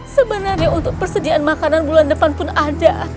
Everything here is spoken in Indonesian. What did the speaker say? sebenarnya untuk persediaan makanan bulan depan pun ada